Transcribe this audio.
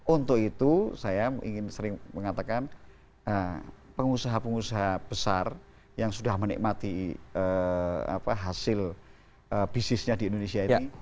untuk itu saya ingin sering mengatakan pengusaha pengusaha besar yang sudah menikmati hasil bisnisnya di indonesia ini